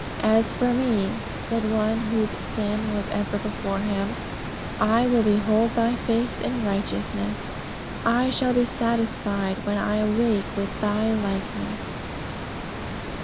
"As for me," said one whose sin was ever before him, "I will behold Thy face in righteousness; I shall be satisfied when I wake with Thy likeness."